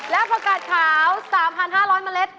และผักกาดขาว๓๕๐๐เมล็ด